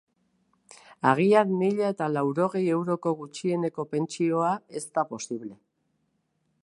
Agian mila eta laurogei euroko gutxieneko pentsioa ez da posible.